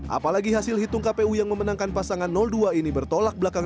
apalagi hasil hitung kpu yang memenangkan pasangan dua ini bertolak belakang